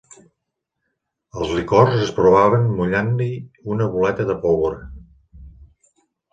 Els licors es provaven mullant-hi una boleta de pólvora.